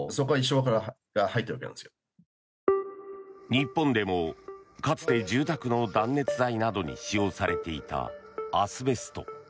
日本でもかつて住宅の断熱材などに使用されていたアスベスト。